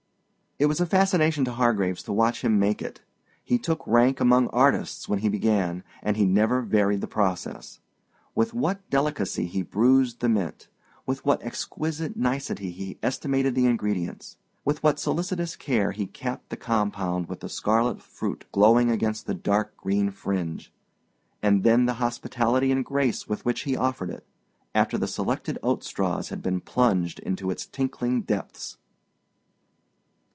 It was a fascination to Hargraves to watch him make it. He took rank among artists when he began, and he never varied the process. With what delicacy he bruised the mint; with what exquisite nicety he estimated the ingredients; with what solicitous care he capped the compound with the scarlet fruit glowing against the dark green fringe! And then the hospitality and grace with which he offered it, after the selected oat straws had been plunged into its tinkling depths!